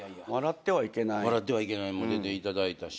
『笑ってはいけない』出ていただいたし。